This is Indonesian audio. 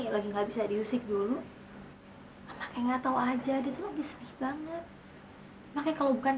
lagi nggak bisa diusik dulu anaknya nggak tahu aja gitu lagi sedih banget makanya kalau bukan